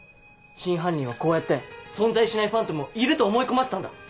真犯人はこうやって存在しないファントムをいると思い込ませたんだ！